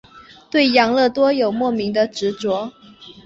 对养乐多有莫名的执着。